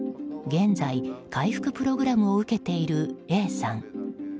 現在、回復プログラムを受けているＡさん。